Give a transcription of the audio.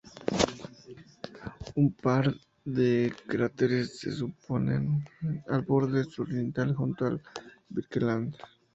Un par de cráteres se superponen al borde suroriental, junto a Birkeland.